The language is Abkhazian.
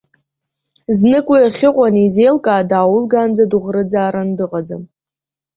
Знык уи ахьыҟоу анизеилкаа дааулгаанӡа дуӷрыӡааран дыҟаӡам.